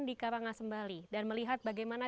di karangasembali dan melihat bagaimana